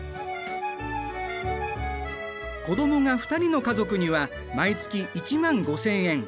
子どもが２人の家族には毎月１万５，０００円。